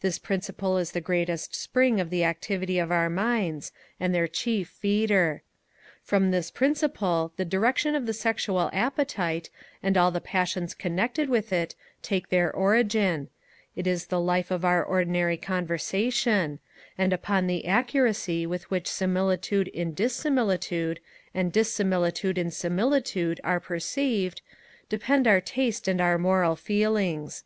This principle is the great spring of the activity of our minds, and their chief feeder. From this principle the direction of the sexual appetite, and all the passions connected with it, take their origin: it is the life of our ordinary conversation; and upon the accuracy with which similitude in dissimilitude, and dissimilitude in similitude are perceived, depend our taste and our moral feelings.